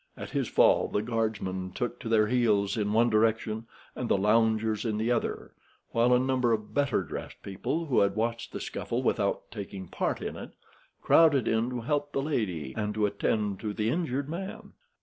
At his fall the guardsmen took to their heels in one direction and the loungers in the other, while a number of better dressed people who had watched the scuffle without taking part in it crowded in to help the lady and to attend to the injured man.